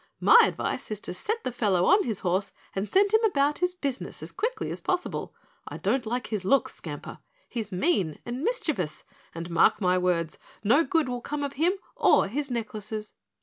"My advice is to set the fellow on his horse and send him about his business as quickly as possible. I don't like his looks, Skamper. He's mean and mischievous, and mark my words, no good will come of him or his necklaces."